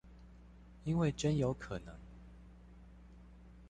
因為真有可能